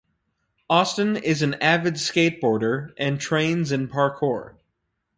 Austin is an avid skateboarder and trains in parkour.